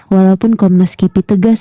walaupun komnas kipi tegas